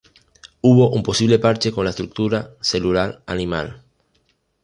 Hubo un posible parche con la estructura celular animal.